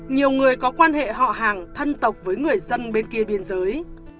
nhiều người có quan hệ họ hàng thân tộc với người dân bên kia biên giới